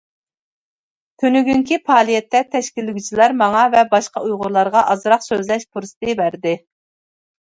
تۈنۈگۈنكى پائالىيەتتە تەشكىللىگۈچىلەر ماڭا ۋە باشقا ئۇيغۇرلارغا ئازراق سۆزلەش پۇرسىتى بەردى.